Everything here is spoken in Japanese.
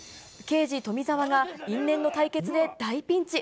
刑事、富澤が、因縁の対決で大ピンチ。